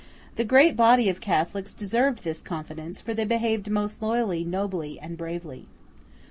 The great body of Catholics deserved this confidence; for they behaved most loyally, nobly, and bravely.